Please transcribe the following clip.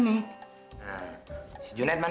nih pinya gocap